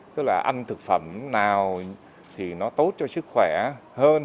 tức là ăn thực phẩm nào thì nó tốt cho sức khỏe hơn